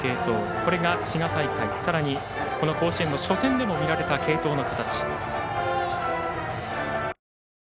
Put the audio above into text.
これが滋賀大会さらに甲子園の初戦でも見られた継投の形。